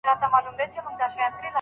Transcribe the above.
کار ته د پام نه کول د نورو وخت ضایع کوي.